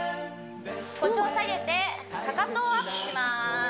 腰を下げてかかとをアップします